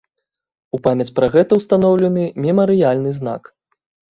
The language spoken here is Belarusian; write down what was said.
У памяць пра гэта ўстаноўлены мемарыяльны знак.